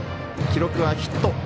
記録はヒット。